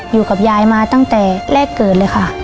อยู่กับยายมาตั้งแต่แรกเกิดเลยค่ะ